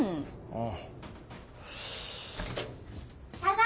ああ。